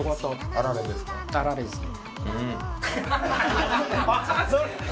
あられですね。